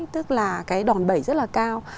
tức là đòn bẩy rất là cao